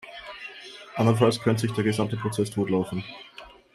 Andernfalls könnte sich der gesamte Prozess totlaufen.